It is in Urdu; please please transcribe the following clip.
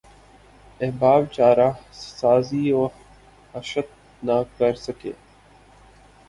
احباب چارہ سازی وحشت نہ کرسکے